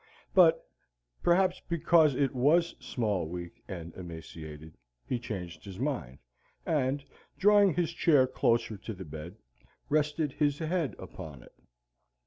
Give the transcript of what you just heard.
But perhaps because it WAS small, weak, and emaciated, he changed his mind, and, drawing his chair closer to the bed, rested his head upon it.